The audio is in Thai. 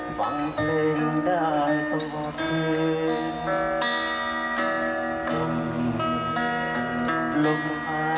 เพราะคิดถึงคนชอบพอ